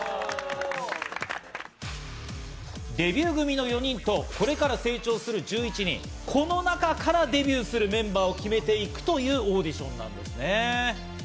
デビュー組の４人と、これから成長する１１人、この中からデビューするメンバーを決めていくというオーディションなんですね。